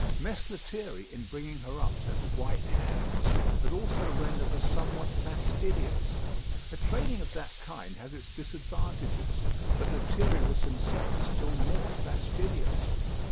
Mess Lethierry in bringing her up to have white hands had also rendered her somewhat fastidious. A training of that kind has its disadvantages; but Lethierry was himself still more fastidious.